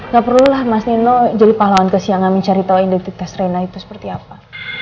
gak perlulah mas neno jadi pahlawan kesiangan mencari tahu identitas rena itu seperti apa